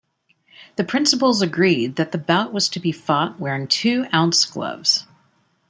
The principals agreed that the bout was to be fought wearing two ounce gloves.